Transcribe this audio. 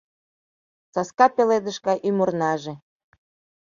Саска пеледыш гай ӱмырнаже